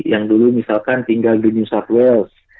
yang dulu misalkan tinggal di new south wales